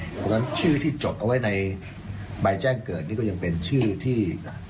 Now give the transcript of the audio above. เพราะฉะนั้นชื่อที่จดเอาไว้ในใบแจ้งเกิดนี่ก็ยังเป็นชื่อที่